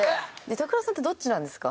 板倉さんってどっちなんですか？